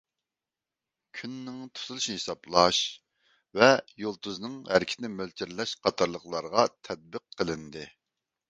كۈننىڭ تۇتۇلۇشىنى ھېسابلاش ۋە يۇلتۇزنىڭ ھەرىكىتىنى مۆلچەرلەش قاتارلىقلارغا تەتبىق قىلىندى.